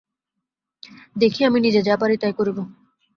দেখি আমি নিজে যা পারি তাই করিব।